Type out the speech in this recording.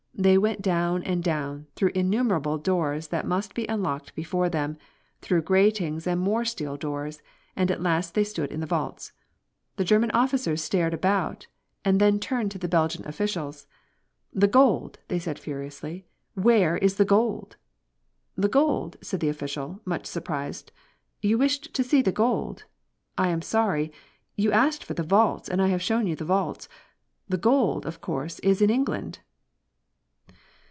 They went down and down, through innumerable doors that must be unlocked before them, through gratings and more steel doors. And at last they stood in the vaults. The German officers stared about and then turned to the Belgian official. "The gold!" they said furiously. "Where is the gold?" "The gold!" said the official, much surprised. "You wished to see the gold? I am sorry. You asked for the vaults and I have shown you the vaults. The gold, of course, is in England."